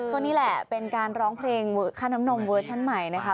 ก็นี่แหละเป็นการร้องเพลงค่าน้ำนมเวอร์ชั่นใหม่นะคะ